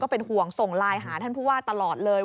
เป็นห่วงส่งไลน์หาท่านผู้ว่าตลอดเลย